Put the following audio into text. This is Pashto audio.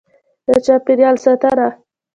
. د چاپېریال ساتنه: